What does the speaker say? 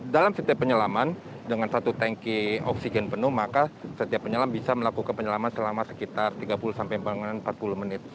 dalam setiap penyelaman dengan satu tanki oksigen penuh maka setiap penyelam bisa melakukan penyelaman selama sekitar tiga puluh sampai empat puluh menit